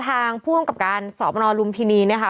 ทางผู้อำกับการสอบมลุมพินีเนี่ยค่ะ